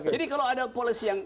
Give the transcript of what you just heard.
jadi kalau ada polisi yang